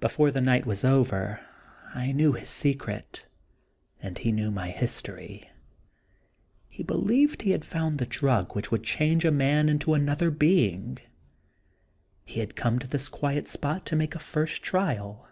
Before the night was over I knew his secret, and he knew my history. He believed he had found the drug which would change a man into another being. He had come to this quiet spot to make a first trial.